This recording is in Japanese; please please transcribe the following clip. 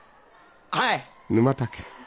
はい！